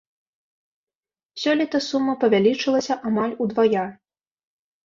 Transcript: Сёлета сума павялічылася амаль удвая.